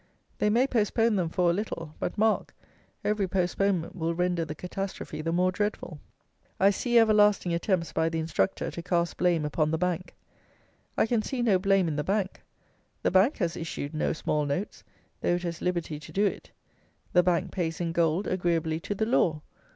They may postpone them for a little; but mark, every postponement will render the catastrophe the more dreadful. I see everlasting attempts by the "Instructor" to cast blame upon the bank. I can see no blame in the bank. The bank has issued no small notes, though it has liberty to do it. The bank pays in gold agreeably to the law.